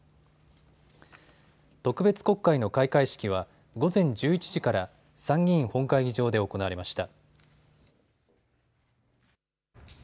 特別国会の開会式は午前１１時から参議院本会議場で行われました。